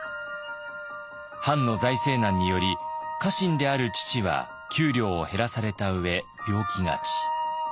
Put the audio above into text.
藩の財政難により家臣である父は給料を減らされたうえ病気がち。